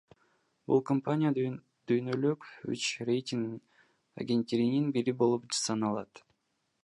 Бул компания дүйнөлүк үч рейтинг агенттигинин бири болуп саналат.